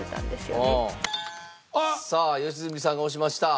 さあ良純さんが押しました。